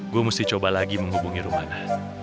gue mesti coba lagi menghubungi rumahnya